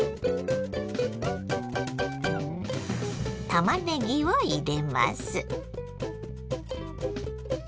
たまねぎを入れます。